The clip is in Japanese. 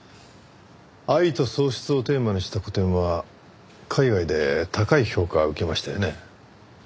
「愛と喪失」をテーマにした個展は海外で高い評価を受けましたよね。